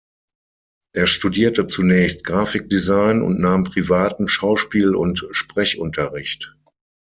Er studierte zunächst Grafikdesign und nahm privaten Schauspiel- und Sprechunterricht.